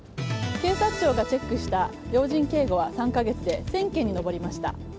警視庁がチェックした要人警護は３か月で１０００件に上りました。